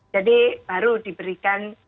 jadi baru diberikan